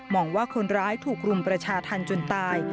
องว่าคนร้ายถูกรุมประชาธรรมจนตาย